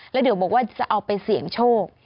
แล้วเดี๋ยวบอกว่าจะเอาไปเสี่ยงโชค